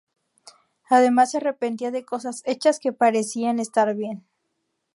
Además, se arrepentía de cosas hechas que parecían estar bien.